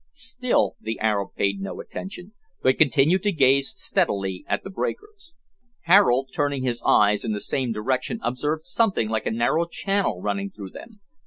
Still the Arab paid no attention, but continued to gaze steadily at the breakers. Harold, turning his eyes in the same direction, observed something like a narrow channel running through them.